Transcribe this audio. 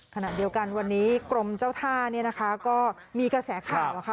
ขณะเดียวกันวันนี้กรมเจ้าท่าเนี่ยนะคะก็มีกระแสข่าวค่ะ